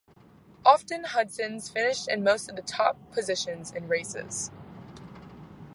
Often Hudsons finished in most of the top positions in races.